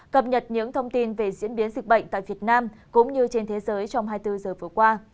cập nhật những thông tin về diễn biến dịch bệnh tại việt nam cũng như trên thế giới trong hai mươi bốn giờ vừa qua